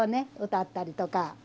歌ったりとか。